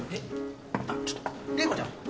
あっちょっと麗子ちゃん！？